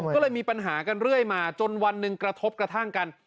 ก็เลยมีปัญหากันเรื่อยมาจนวันหนึ่งกระทบกระทั่งกัน